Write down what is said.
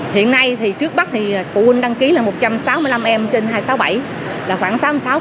hiện nay trước bắt phụ huynh đăng ký là một trăm sáu mươi năm em trên hai trăm sáu mươi bảy khoảng sáu mươi sáu